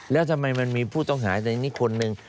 แล้วทำไมมันมีผู้ต้องหาในนี้คนหนึ่ง